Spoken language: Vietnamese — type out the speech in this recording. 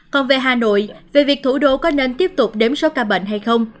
còn về hà nội về việc thủ đô có nên tiếp tục đếm số ca bệnh hay không